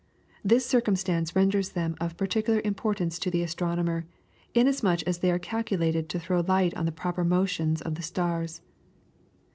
This circumstance renders them of particular importance to the astronomer, inasmuch as they are calculated to throw light on the proper motions of the stars.